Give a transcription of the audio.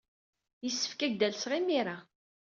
Yessefk ad ak-d-alseɣ imir-a.